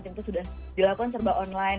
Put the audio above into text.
tentu sudah dilakukan serba online